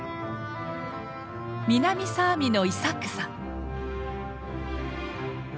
南サーミのイサックさん。